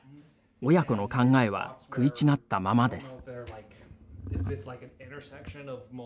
親子の考えは食い違ったままです。